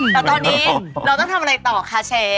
แต่ตอนนี้เราต้องทำอะไรต่อคะเชฟ